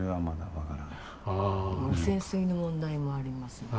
汚染水の問題もありますので。